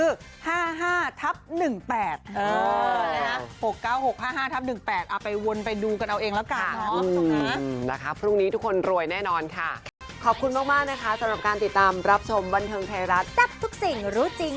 ๖๙๖๕๕๑๘เอาไปวนไปดูกันเอาเองแล้วกัน